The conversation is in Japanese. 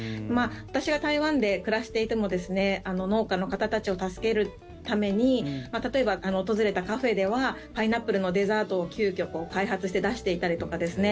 私が台湾で暮らしていても農家の方たちを助けるために例えば、訪れたカフェではパイナップルのデザートを急きょ、開発して出していたりとかですね